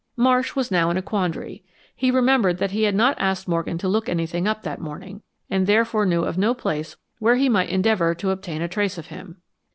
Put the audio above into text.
Marsh was now in a quandary. He remembered that he had not asked Morgan to look anything up that morning and therefore knew of no place where he might endeavor to obtain a trace of him.